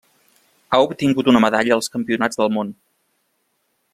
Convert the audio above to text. Ha obtingut una medalla als Campionats del món.